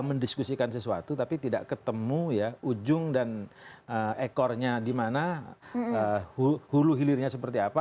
mendiskusikan sesuatu tapi tidak ketemu ya ujung dan ekornya di mana hulu hilirnya seperti apa